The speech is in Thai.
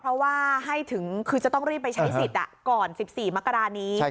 เพราะว่าให้ถึงคือจะต้องรีบไปใช้สิทธิ์ก่อน๑๔มกรานี้